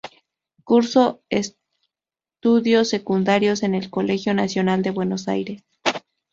Curso estudios secundarios en el Colegio Nacional de Buenos Aires.